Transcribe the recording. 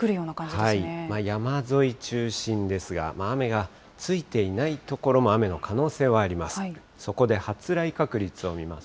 山沿い中心ですが、雨がついていない所も雨の可能性はあります。